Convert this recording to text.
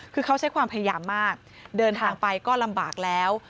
คือเขาใช้ความพยายามมากเดินทางไปก็ลำบากแล้ว